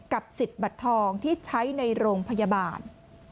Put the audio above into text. สิทธิ์บัตรทองที่ใช้ในโรงพยาบาล